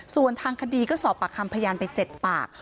ส่วนทางคดีก็สอบปากคำพยานไป๗ปาก